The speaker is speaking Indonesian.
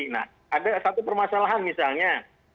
nah ada satu permasalahan misalnya